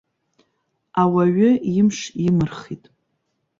Ауаҩы имш имырхит!